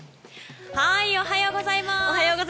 おはようございます。